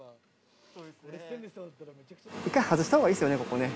一回外した方がいいですよね？